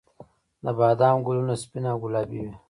د بادام ګلونه سپین او ګلابي وي